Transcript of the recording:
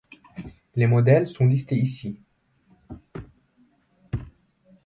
Les modèles sont listés ici.